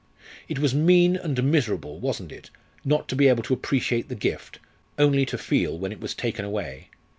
It was mean and miserable, wasn't it, not to be able to appreciate the gift, only to feel when it was taken away?